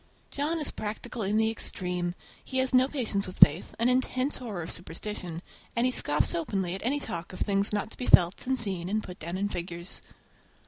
John is practical in the extreme. He has no patience with faith, an intense horror of superstition, and he scoffs openly at any talk of things not to be felt and seen and put down in figures.